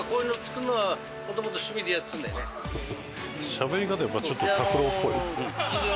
しゃべり方やっぱちょっと卓郎っぽい。